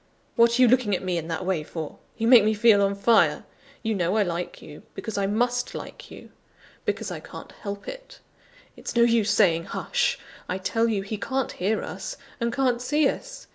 What are you looking at me in that way for? You make me feel on fire. You know I like you, because I must like you; because I can't help it. It's no use saying hush: I tell you he can't hear us, and can't see us.